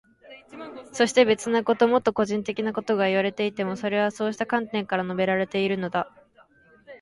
そして、別なこと、もっと個人的なことがいわれていても、それはそうした観点から述べられているのだ。